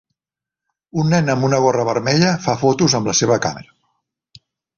Un nen amb una gorra vermella fa fotos amb la seva càmera.